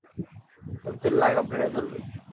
তথ্যের লাগাম টেনে ধরবে!